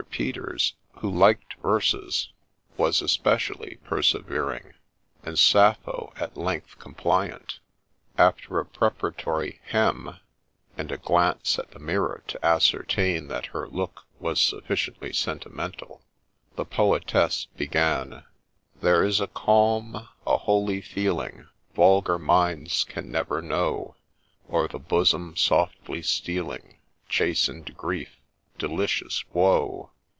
Peters, ' who liked verses,' was especially persevering, and Sappho at length compliant. After a preparatory hem ! and a glance at the mirror to ascertain that her look was sufficiently sentimental, the poetess began :— 1 There is a calm, a holy feeling, Vulgar minds can never know, O'er the bosom softly stealing, — Chasten'd grief, delicious woe